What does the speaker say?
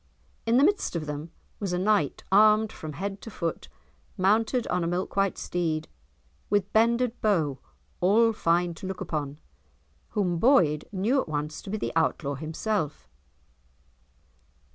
In the midst of them was a knight armed from head to foot, mounted on a milk white steed, with bended bow, all fine to look upon; whom Boyd knew at once to be the Outlaw himself.